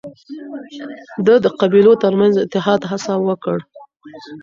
ده د قبيلو ترمنځ اتحاد هڅه وکړ